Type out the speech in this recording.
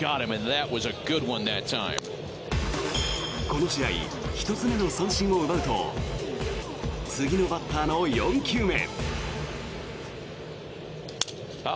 この試合１つ目の三振を奪うと次のバッターの４球目。